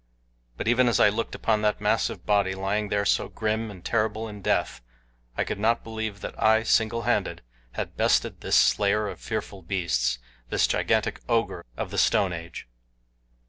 But even as I looked upon that massive body lying there so grim and terrible in death, I could not believe that I, single handed, had bested this slayer of fearful beasts this gigantic ogre of the Stone Age.